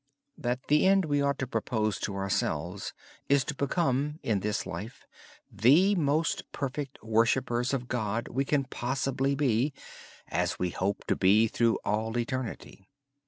The end we ought to propose to ourselves is to become, in this life, the most perfect worshippers of God we can possibly be, and as we hope to be through all eternity.